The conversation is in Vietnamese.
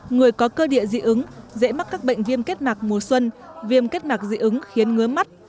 người có cơ địa dị ứng dễ mắc các bệnh viêm kết mạc mùa xuân viêm kết mạc dị ứng khiến ngứa mắt